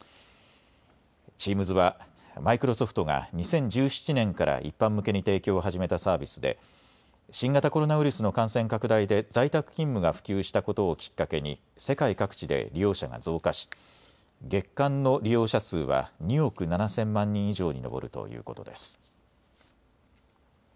チームズはマイクロソフトが２０１７年から一般向けに提供を始めたサービスで新型コロナウイルスの感染拡大で在宅勤務が普及したことをきっかけに世界各地で利用者が増加し月間の利用者数は２億７０００万人以上に上るということです。